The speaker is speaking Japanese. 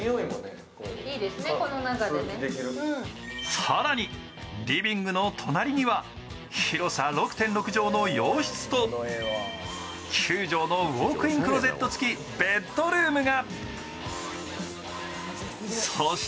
更にリビングの隣には広さ６．６畳の洋室と９畳のウォークインクロゼット付きベッドルームが。